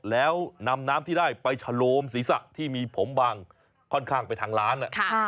แล้วนำน้ำที่ได้ไปฉโลมศีรษะที่มีผมบังค่อนข้างไปทางร้าน